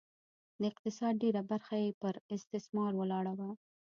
د اقتصاد ډېره برخه یې پر استثمار ولاړه وه